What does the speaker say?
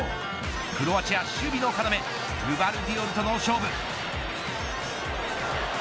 クロアチア守備の要グヴァルディオルとの勝負。